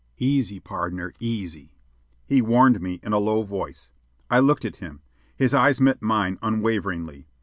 "Easy, pardner, easy," he warned me in a low voice. I looked at him. His eyes met mine unwaveringly.